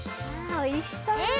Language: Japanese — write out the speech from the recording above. おいしそう！